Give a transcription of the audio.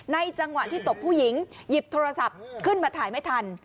จังหวะที่ตบผู้หญิงหยิบโทรศัพท์ขึ้นมาถ่ายไม่ทัน